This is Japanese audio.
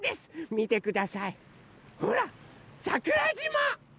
みてくださいほらっさくらじま！